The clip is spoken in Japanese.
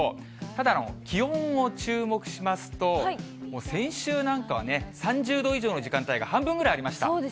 ただ、気温を注目しますと、もう先週なんかはね、３０度以上の時間帯が半分くらいありました。